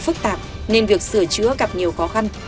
phức tạp nên việc sửa chữa gặp nhiều khó khăn